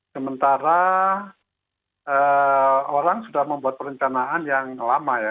sementara orang sudah membuat perencanaan yang lama ya